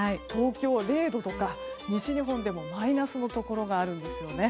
東京０度とか、西日本でもマイナスのところがあるんです。